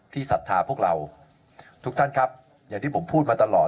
ศรัทธาพวกเราทุกท่านครับอย่างที่ผมพูดมาตลอด